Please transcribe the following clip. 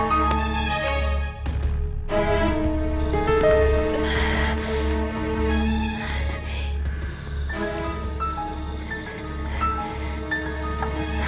apa dia baik baik aja